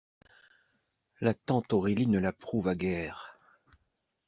La tante Aurélie ne l'approuva guère.